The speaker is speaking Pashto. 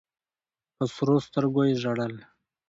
په سرو سترګو یې ژړل.